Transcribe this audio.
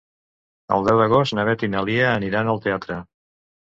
El deu d'agost na Beth i na Lia aniran al teatre.